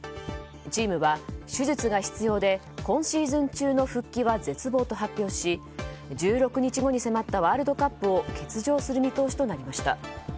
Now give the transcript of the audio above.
チームは手術が必要で今シーズン中の復帰は絶望と発表し１６日後に迫ったワールドカップを欠場する見通しとなりました。